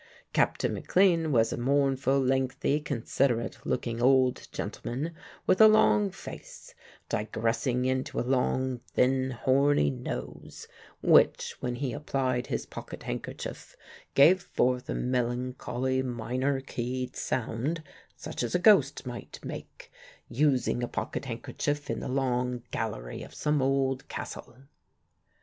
Captain McLean was a mournful, lengthy, considerate looking old gentleman, with a long face, digressing into a long, thin, horny nose, which, when he applied his pocket handkerchief, gave forth a melancholy, minor keyed sound, such as a ghost might make, using a pocket handkerchief in the long gallery of some old castle.